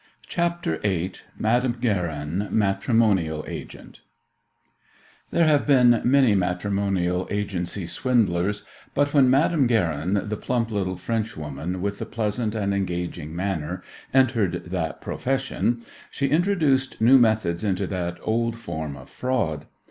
CHAPTER VIII MADAME GUERIN, MATRIMONIAL AGENT There have been many matrimonial agency swindlers, but when Madame Guerin, the plump little Frenchwoman with the pleasant and engaging manner, entered that "profession" she introduced new methods into that old form of fraud.